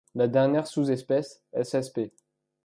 La dernière sous-espèce ssp.